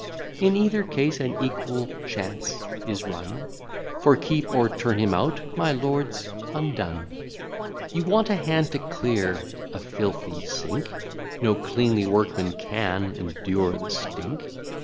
In either case, an equal chance is run; For, keep or turn him out, my lord's undone. You want a hand to clear a filthy sink; No cleanly workman can endure the stink.